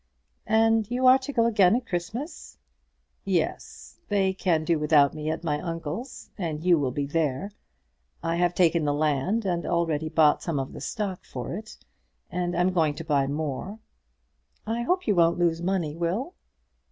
"And you are to go again at Christmas?" "Yes; they can do without me at my uncle's, and you will be there. I have taken the land, and already bought some of the stock for it, and am going to buy more." "I hope you won't lose money, Will."